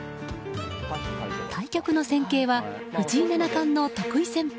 対局の戦型は藤井七冠の得意戦法